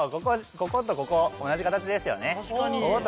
こことここ同じ形ですよね